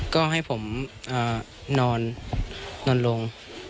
ก็ให้ผมนอนลง